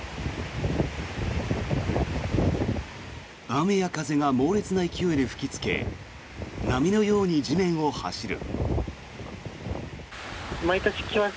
雨や風が猛烈な勢いで吹きつけ波のように地面を走る。